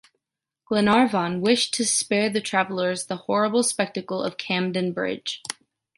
Glenarvan wished to spare the travelers the horrible spectacle of Camden-Bridge.